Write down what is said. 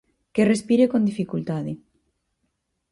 Que respire con dificultade.